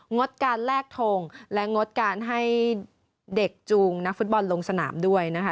งดการแลกทงและงดการให้เด็กจูงนักฟุตบอลลงสนามด้วยนะคะ